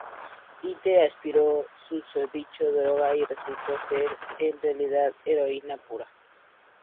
Hite aspiró susodicho droga y resultó ser en realidad heroína pura.